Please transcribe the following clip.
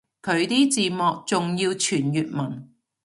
佢啲字幕仲要全粵文